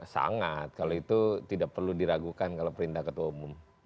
sangat kalau itu tidak perlu diragukan kalau perintah ketua umum